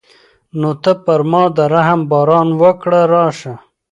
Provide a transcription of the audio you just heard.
نو ته پر ما د رحم باران وکړه راشه.